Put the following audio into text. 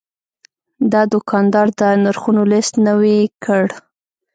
دا دوکاندار د نرخونو لیست نوي کړ.